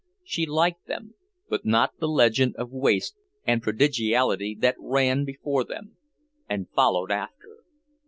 She liked them, but not the legend of waste and prodigality that ran before them and followed after.